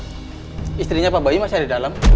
istrinya pak bayu masih ada di dalam